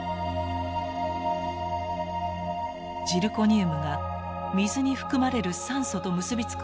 ジルコニウムが水に含まれる酸素と結び付くことで水素が発生。